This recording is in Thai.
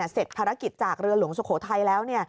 เสร็จภารกิจจากเรือหลวงสุโขทัยแล้ว